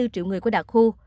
bảy bốn triệu người của đặc khu